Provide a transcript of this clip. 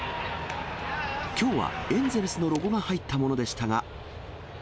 きょうはエンゼルスのロゴが入ったものでしたが。